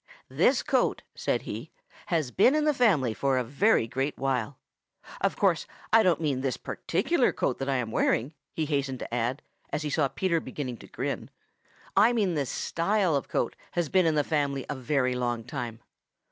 "This coat," said he, "has been in the family a very great while. Of course, I don't mean this particular coat that I am wearing," he hastened to add, as he saw Peter beginning to grin. "I mean this style of coat has been in the family a very long time.